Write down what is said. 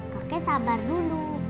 kakek sabar dulu